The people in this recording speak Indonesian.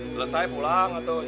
selesai pulang atau ya